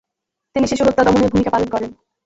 তিনি শিশুহত্যা দমনে ভূমিকা পালন করেন।